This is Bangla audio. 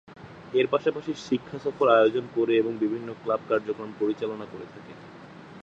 এর পাশাপাশি শিক্ষা সফর আয়োজন করে এবং বিভিন্ন ক্লাব কার্যক্রম পরিচালনা করে থাকে।